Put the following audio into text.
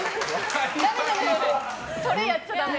それやっちゃダメ。